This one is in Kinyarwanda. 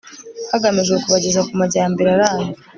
hagamijwe kubageza ku majyambere arambye